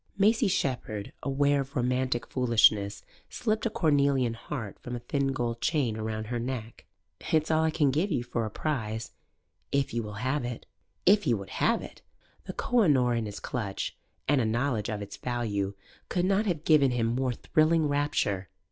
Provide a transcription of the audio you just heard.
Maisie Shepherd, aware of romantic foolishness, slipped a cornelian heart from a thin gold chain round her neck. "It's all I can give you for a prize, if you will have it." If he would have it? The Koh i Noor' in his clutch (and a knowledge of its value) could not have given him more thrilling rapture.